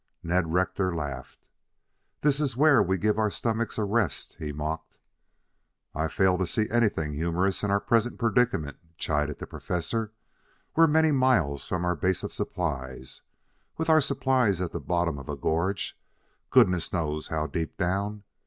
Ned Rector laughed. "This is where we give our stomachs a rest," he mocked. "I fail to see anything humorous in our present predicament," chided the Professor. "We are many miles from our base of supplies, with our supplies at the bottom of a gorge, goodness knows how deep down.